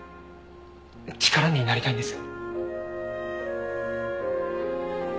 力になりたいんです。